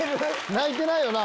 泣いてないよな？